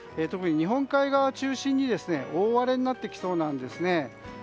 特に日本海側中心に大荒れになってきそうなんですね。